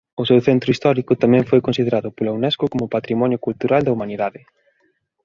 O seu centro histórico tamén foi considerado pola Unesco como Patrimonio Cultural da Humanidade.